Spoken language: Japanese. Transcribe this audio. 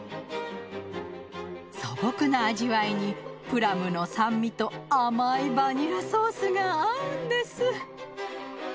素朴な味わいにプラムの酸味と甘いバニラソースが合うんです。